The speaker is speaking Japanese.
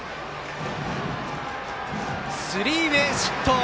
スリーベースヒット！